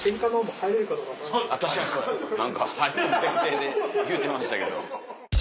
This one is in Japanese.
確かにそうや何か入れる前提で言うてましたけど。